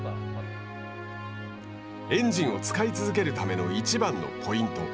エンジンを使い続けるための一番のポイント。